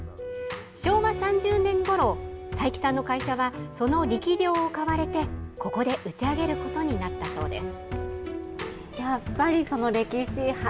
昭和３０年ごろ齊木さんの会社はその力量を買われてここで打ち上げることになったそうです。